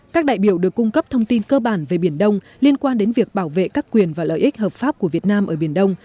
các đại biểu được cung cấp thông tin cơ bản về biển đông liên quan đến việc bảo vệ các quyền và lợi ích hợp pháp của việt nam ở biển đông